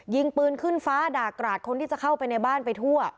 ยิงปืนขึ้นฟ้าด่ากราดคนที่จะเข้าไปในบ้านไปทั่ว